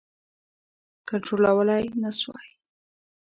کنټرولولای نه سوای.